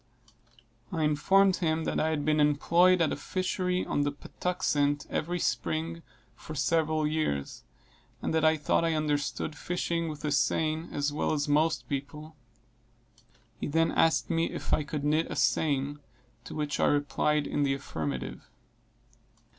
I informed him that I had been employed at a fishery on the Patuxent, every spring, for several years; and that I thought I understood fishing with a seine, as well as most people. He then asked me if I could knit a seine, to which I replied in the affirmative.